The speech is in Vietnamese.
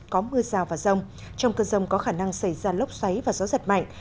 có mưa rào và rông trong cơn rông có khả năng xảy ra lốc xoáy và gió giật mạnh